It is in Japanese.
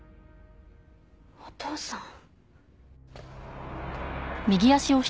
お父さん？